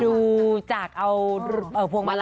ดูจากเอาหรือผลงมาลัย